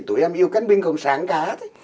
tụi em yêu cánh binh cộng sản cả